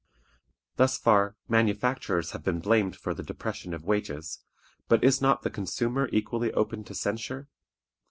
Thus far manufacturers have been blamed for the depression of wages, but is not the consumer equally open to censure?